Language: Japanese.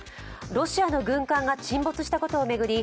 ロシアの軍艦が沈没したことを巡り